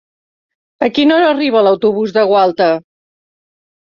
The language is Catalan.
A quina hora arriba l'autobús de Gualta?